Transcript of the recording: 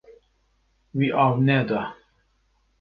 Wî av neda.